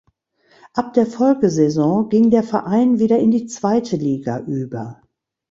Ab der Folgesaison ging der Verein wieder in die zweite Liga über.